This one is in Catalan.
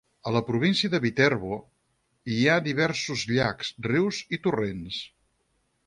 A la província de Viterbo hi ha diversos llacs, rius i torrents.